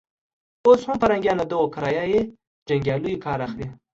اوس هم پرنګيان له دغو کرایه يي جنګیالیو کار اخلي.